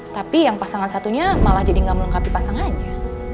tapi yang pasangan satunya malah jadi nggak melengkapi pasangannya